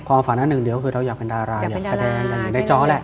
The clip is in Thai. ความฝันนั้นหนึ่งเดียวคือเราอยากเป็นดาราอยากแสดงอย่างเหมือนในจ้อแหละ